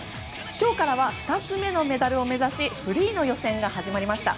今日からは２つ目のメダルを目指しフリーの予選が始まりました。